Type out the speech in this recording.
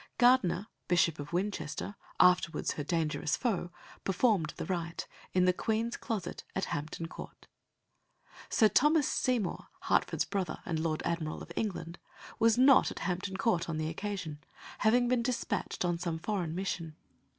Gardiner, Bishop of Winchester, afterwards her dangerous foe, performed the rite, in the Queen's Closet at Hampton Court. Sir Thomas Seymour, Hertford's brother and Lord Admiral of England, was not at Hampton Court on the occasion, having been despatched on some foreign mission.